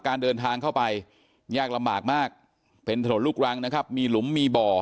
การเดินทางเข้าไปยากลำบากมากเป็นถนนลูกรังนะครับมีหลุมมีบ่อ